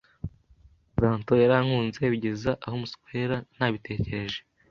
Umuplanto yarankunze bigeza aho muswera ntabitekereje